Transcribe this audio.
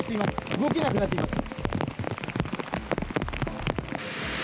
動けなくなっています。